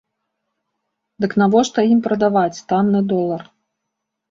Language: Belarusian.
Дык навошта ім прадаваць танны долар?